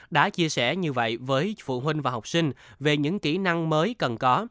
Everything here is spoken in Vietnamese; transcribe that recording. đã chia sẻ như vậy với phụ huynh và học sinh về những kỹ năng mới cần có